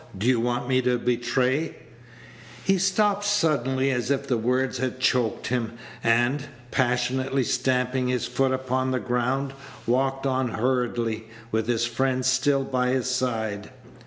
Do you want me to betray " He stopped suddenly, as if the words had choked him, and, passionately stamping his foot upon the ground, walked on hurriedly, with his friend still by his side.